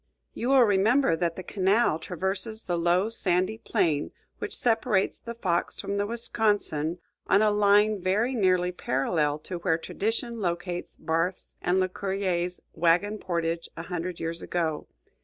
You will remember that the canal traverses the low sandy plain which separates the Fox from the Wisconsin on a line very nearly parallel to where tradition locates Barth's and Lecuyer's wagon portage a hundred years ago.